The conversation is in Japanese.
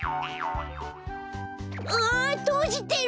あとじてる！